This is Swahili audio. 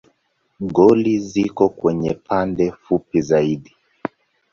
Goli ziko kwenye pande fupi zaidi.